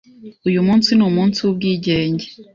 Uyu munsi ni umunsi wubwigenge.